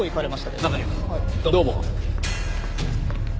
どうも。